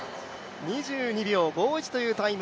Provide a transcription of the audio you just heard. ２２秒５１というタイム。